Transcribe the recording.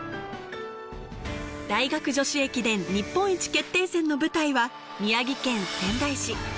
大学女子駅伝日本一決定戦の舞台は宮城県仙台市。